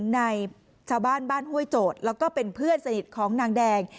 ในชาวบ้านบ้านห้วยโจทย์แล้วก็เป็นเพื่อนสนิทของนางแดง